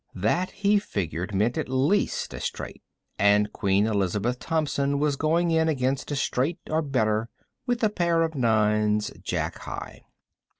That, he figured, meant at least a straight. And Queen Elizabeth Thompson was going in against a straight or better with a pair of nines, Jack high.